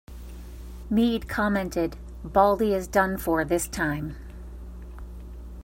Meade commented, Baldy is done for this time.